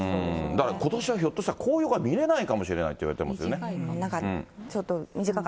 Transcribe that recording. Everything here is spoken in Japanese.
だからことしはひょっとしたら、紅葉が見れないかもしれないなんかちょっと短く。